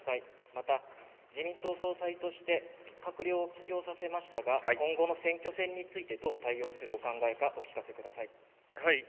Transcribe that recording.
また自民党総裁として閣僚を帰郷させましたが今後の選挙戦についてどう対応するお考えかお聞かせください。